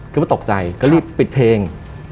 ก็ตกใจก็รีบปิดเพลง